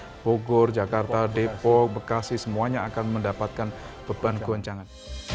tidak cuma jakarta bogor jakarta depok bekasi semuanya akan mendapatkan beban goncangan